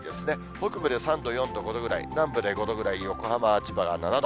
北部で３度、４度、５度ぐらい、南部で５度ぐらい、横浜、千葉が７度。